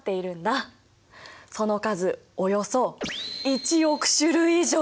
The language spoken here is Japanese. その数およそ１億種類以上！